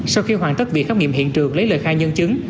sau khi hoàn tất việc khám nghiệm hiện trường lấy lời khai nhân chứng